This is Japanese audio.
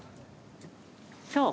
そう。